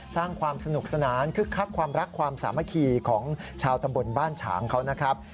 สร้างความสนุกสนานคึกคักความรักความสามัคคีของชาวตำบลบ้านฉางเขานะครับ